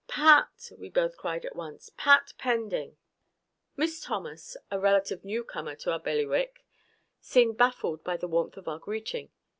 "Pat!" we both cried at once. "Pat Pending!" Miss Thomas, a relative newcomer to our bailiwick, seemed baffled by the warmth of our greeting.